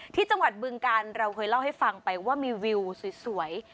ที่จังหวัดบึงการเราเคยเล่าให้ฟังไปว่ามีวิวสวย